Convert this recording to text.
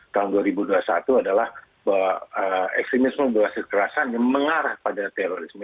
tahun dua ribu dua puluh satu adalah bahwa ekstremisme berhasil kerasan yang mengarah pada terorisme